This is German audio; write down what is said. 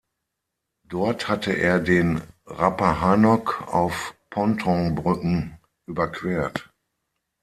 Dort hatte er den Rappahannock auf Pontonbrücken überquert.